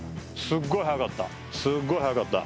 すっごい早かった。